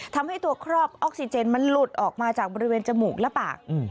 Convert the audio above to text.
ทำให้ตัวครอบออกซิเจนมันหลุดออกมาจากบริเวณจมูกและปาก